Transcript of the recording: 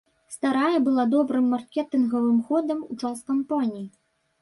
Старая была добрым маркетынгавым ходам у час кампаніі.